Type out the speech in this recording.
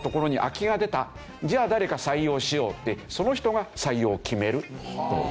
じゃあ誰か採用しようってその人が採用を決めるという。